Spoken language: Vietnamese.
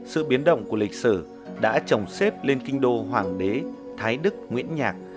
sự biến động của lịch sử đã trồng xếp lên kinh đô hoàng đế thái đức nguyễn nhạc